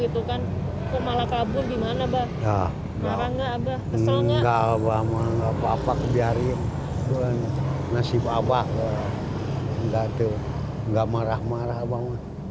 tidak marah marah abah